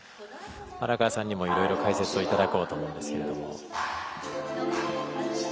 荒川さんにもいろいろ解説いただこうと思うんですけども。